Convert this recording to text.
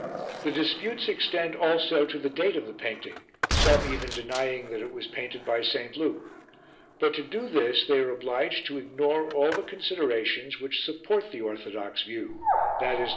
The disputes extend also to the date of the painting, some even denying that it was painted by St. Luke. But to do this they are obliged to ignore all the considerations which support the orthodox view, viz.